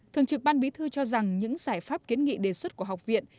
thường trực ban bí thư cho rằng những giải pháp kiến nghị đề xuất của học viện